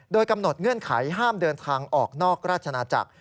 โดยกำหนดเงื่อนไขห้ามเดินทางออกนอกราชนาจักร